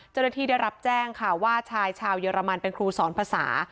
เจ้าหน้าที่ได้รับแจ้งค่ะว่าชายชาวเยอรมันเป็นครูสอนภาษา